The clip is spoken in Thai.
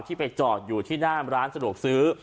ไปจอดอยู่ที่หน้าร้านสะดวกซื้อ